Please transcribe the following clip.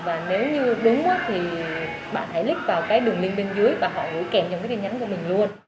và nếu như đúng thì bạn hãy click vào cái đường link bên dưới và họ gửi kèm vào cái tin nhắn của mình luôn